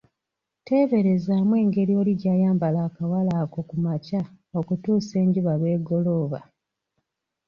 Teeberezaamu engeri oli gy'ayambala akawale ako ku makya okutuusa enjuba lw'egolooba!